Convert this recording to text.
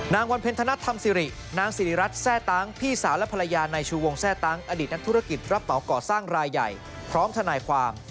วันเพ็ญธนธรรมสิรินางสิริรัตนแทร่ตั้งพี่สาวและภรรยานายชูวงแทร่ตั้งอดีตนักธุรกิจรับเหมาก่อสร้างรายใหญ่พร้อมทนายความ